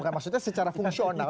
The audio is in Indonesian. bukan maksudnya secara fungsional